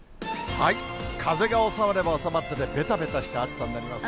風が収まったら収まったでべたべたした暑さになります。